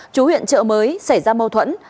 chú huyện chợ mới xảy ra mâu thuẫn